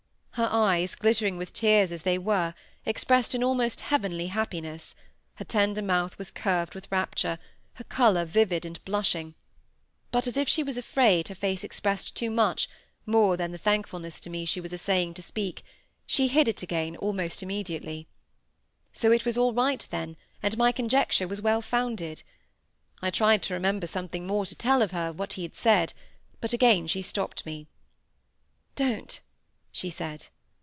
Her eyes, glittering with tears as they were, expressed an almost heavenly happiness; her tender mouth was curved with rapture—her colour vivid and blushing; but as if she was afraid her face expressed too much, more than the thankfulness to me she was essaying to speak, she hid it again almost immediately. So it was all right then, and my conjecture was well founded! I tried to remember something more to tell her of what he had said, but again she stopped me. "Don't," she said.